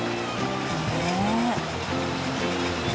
ねえ。